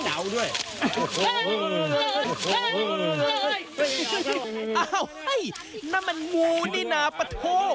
อ้าวเฮ้ยนั่นมันมูนี่หน้าปะโท